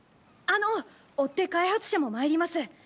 あの追って開発者もまいります。